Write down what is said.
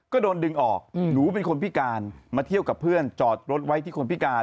ก็โดนดึงออกหนูเป็นคนพิการมาเที่ยวกับเพื่อนจอดรถไว้ที่คนพิการ